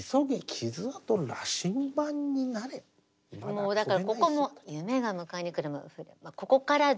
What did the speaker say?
もうだからここも「夢が迎えに来てくれるまで」